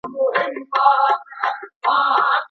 حفظ الصحه په عملیات خونه کي څنګه ده؟